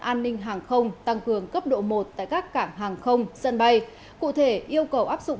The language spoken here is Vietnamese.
an ninh hàng không tăng cường cấp độ một tại các cảng hàng không sân bay cụ thể yêu cầu áp dụng